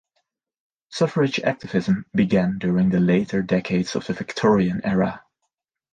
Suffrage activism began during the later decades of the Victorian era.